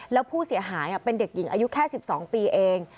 แล้วผู้เสียหายเป็นเด็กหญิงอายุแค่๑๒ปีเอง